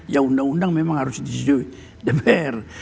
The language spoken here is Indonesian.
ya undang undang memang harus disetujui dpr